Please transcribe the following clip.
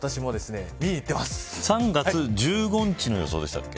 ３月１５日の予想でしたっけ。